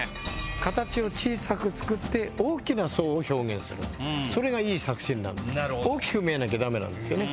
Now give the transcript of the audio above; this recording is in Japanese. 形を小さく作って大きな壮を表現するそれがいい作品になるんです大きく見えなきゃダメなんですよね